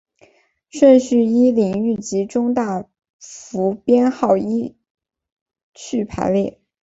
顺序依领域及中大服编号依序排列。